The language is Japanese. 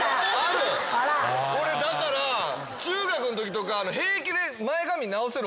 俺だから中学のときとか平気で前髪直せる